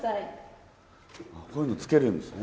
こういうの着けるんですね？